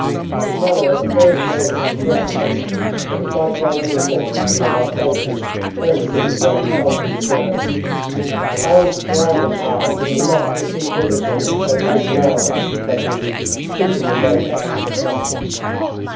His manner at the first moment was threatening, but the sight of our uniforms and of our faces turned it into one of sulky reserve. 'The Baron Straubenthal does not receive visitors at so late an hour,' said he, speaking in very excellent French.